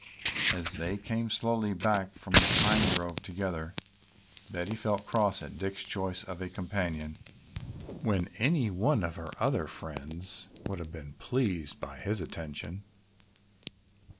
As they came slowly back from the pine grove together, Betty felt cross at Dick's choice of a companion when any one of her other friends would have been pleased by his attention.